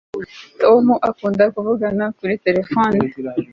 Tom akunda kuvugana kuri terefone